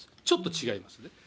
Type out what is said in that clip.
ちょっと違いますね。